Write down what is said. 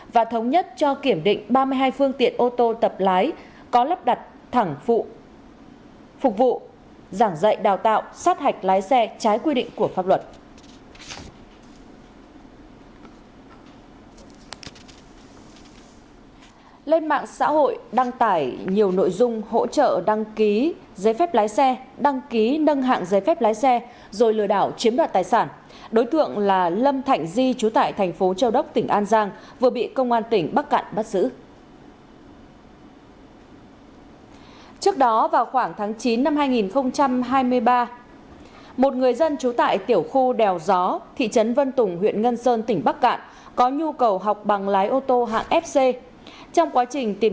và thống nhất cho kiểm định ba mươi hai phương tiện ô tô tập lái có lắp đặt thẳng phục vụ giảng dạy đào tạo sát hạch lái xe trái quy định của pháp luật